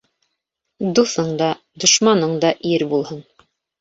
Дуҫың да, дошманың да ир булһын.